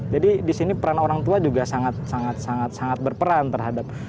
jadi di sini peran orang tua juga sangat berperan terhadap